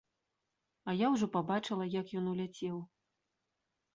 А я ўжо пабачыла, як ён уляцеў.